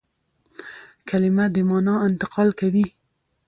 کلیمه د مانا انتقال کوي.